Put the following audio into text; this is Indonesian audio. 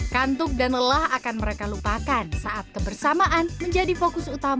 kantuk dan lelah akan mereka lupakan saat kebersamaan menjadi fokus utama